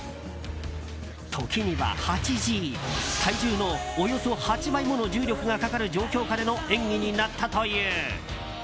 時には８Ｇ、体重のおよそ８倍もの重力がかかる状況下での演技になったという。